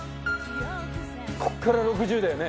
こっから６０だよね。